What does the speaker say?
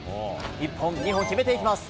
１本、２本、決めていきます。